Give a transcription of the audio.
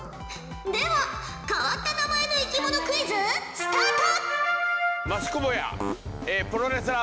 では変わった名前の生き物クイズスタート！